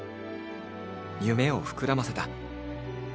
夢を膨らませた。